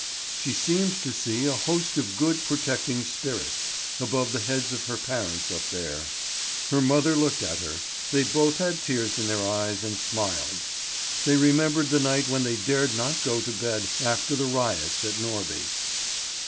She seemed to see a host of good, protecting spirits, above the heads of her parents up there. Her mother looked at her; they both had tears in their eyes and smiled. They remembered the night when they dared not go to bed after the riots at Norby.